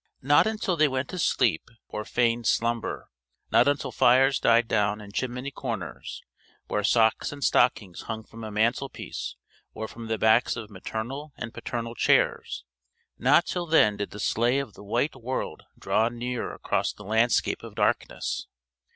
Not until they went to sleep or feigned slumber; not until fires died down in chimney corners where socks and stockings hung from a mantelpiece or from the backs of maternal and paternal chairs not till then did the Sleigh of the White World draw near across the landscape of darkness.